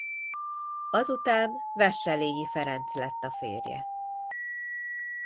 Azután Wesselényi Ferencz lett a férje.